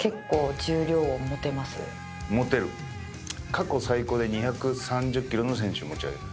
過去最高で２３０キロの選手を持ち上げた。